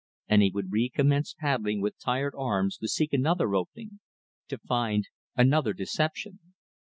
And he would recommence paddling with tired arms to seek another opening, to find another deception.